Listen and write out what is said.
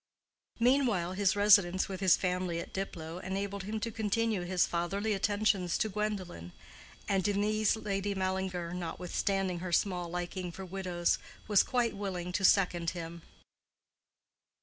Meanwhile his residence with his family at Diplow enabled him to continue his fatherly attentions to Gwendolen; and in these Lady Mallinger, notwithstanding her small liking for widows, was quite willing to second him.